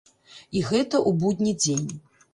І гэта ў будні дзень.